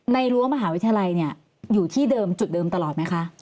รั้วมหาวิทยาลัยเนี่ยอยู่ที่เดิมจุดเดิมตลอดไหมคะ